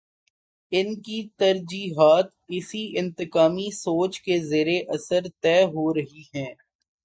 ان کی ترجیحات اسی انتقامی سوچ کے زیر اثر طے ہو رہی ہیں۔